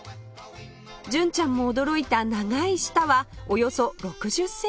純ちゃんも驚いた長い舌はおよそ６０センチ